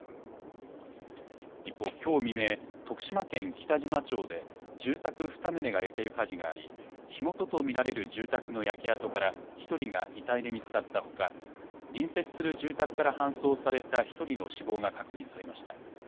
一方、きょう未明、徳島県北島町で住宅２棟が焼ける火事があり火元と見られる住宅の焼け跡から１人が遺体で見つかったほか隣接する住宅から搬送された１人の死亡が確認されました。